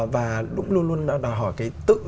và luôn luôn đòi hỏi cái tương lai của các doanh nghiệp